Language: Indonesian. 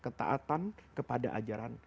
ketaatan kepada ajaran